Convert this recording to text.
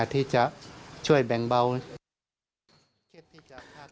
ที่จะช่วยแบ่งเบา